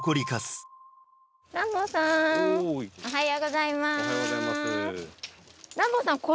おはようございます。